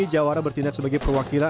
jawara bertindak sebagai perwakilan